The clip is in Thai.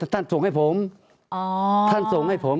ตั้งแต่เริ่มมีเรื่องแล้ว